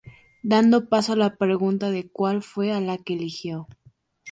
Dando paso a la pregunta de cuál fue a la que eligió.